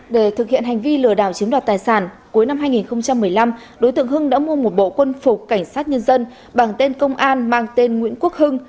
để thực hiện hành vi lừa đảo chiếm đoạt tài sản cuối năm hai nghìn một mươi năm đối tượng hưng đã mua một bộ quân phục cảnh sát nhân dân bằng tên công an mang tên nguyễn quốc hưng